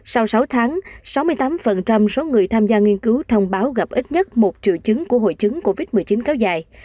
sau sáu tháng sáu mươi tám số người tham gia nghiên cứu thông báo gặp ít nhất một triệu chứng của hội chứng covid một mươi chín kéo dài